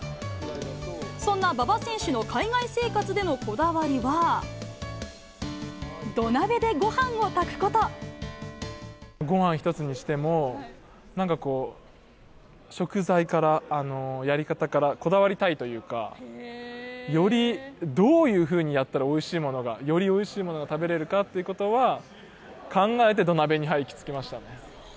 そんな馬場選手の海外生活でのこだわりは、ごはん一つにしても、なんかこう、食材から、やり方からこだわりたいというか、よりどういうふうにやったら、おいしいものが、よりおいしいものが食べれるかってことは考えて土鍋に行きつきま